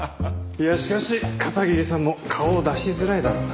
いやしかし片桐さんも顔を出しづらいだろうな。